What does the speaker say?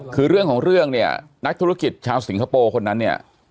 คือเรื่องของเรื่องเนี่ยนักธุรกิจชาวสิงคโปร์คนนั้นเนี่ย